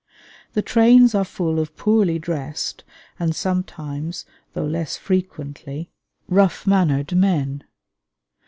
The trains are full of poorly dressed and sometimes (though less frequently) rough mannered men.